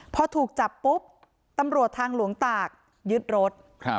พอถูกจับปุ๊บตำรวจทางหลวงตากยึดรถ